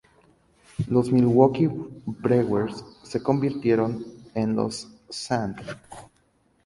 Los Milwaukee Brewers se convirtieron en los St.